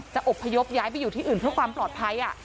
อบพยพย้ายไปอยู่ที่อื่นเพื่อความปลอดภัย